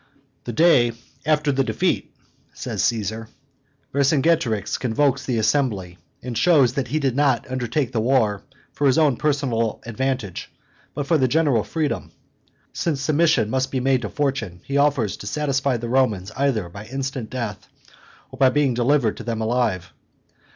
"The day after the defeat," says Caesar, "Vercingetorix convokes the assembly, and shows that he did not undertake the war for his own personal advantage, but for the general freedom. Since submission must be made to fortune, he offers to satisfy the Romans either by instant death or by being delivered to them alive.